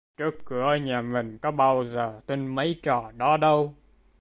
Trước cửa nhà mình có bao giờ tin mấy cái trò đó đâu